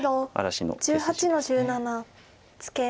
白１８の十七ツケ。